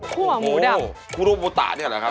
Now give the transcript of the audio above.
คั่วหมูดำโอ้โฮคั่วหมูตานี่หรือครับ